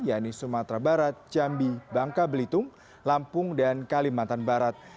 yaitu sumatera barat jambi bangka belitung lampung dan kalimantan barat